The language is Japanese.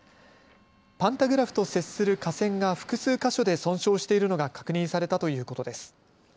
パンタグラフと接する架線が複数箇所で損傷しているのが確認されたということです。